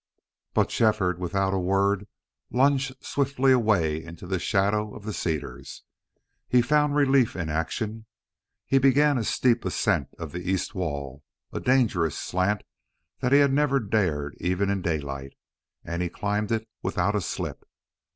But Shefford, without a word, lunged swiftly away into the shadow of the cedars. He found relief in action. He began a steep ascent of the east wall, a dangerous slant he had never dared even in daylight, and he climbed it without a slip.